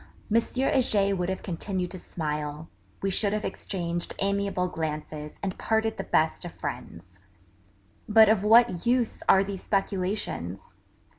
Heger would have continued to smile; we should have exchanged amiable glances and parted the best of friends.... But of what use are these speculations?